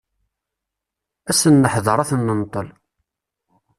Ad sen-neḥder ad ten-nenṭel.